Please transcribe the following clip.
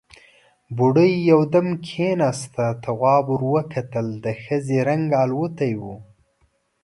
بوډۍ يودم کېناسته، تواب ور وکتل، د ښځې رنګ الوتی و.